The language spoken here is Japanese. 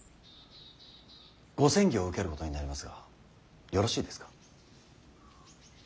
ご詮議を受けることになりますがよろしいですか。